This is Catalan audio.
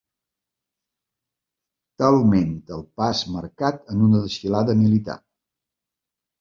Talment el pas marcat en una desfilada militar.